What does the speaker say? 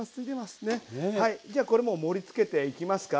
はいじゃこれもう盛りつけていきますか。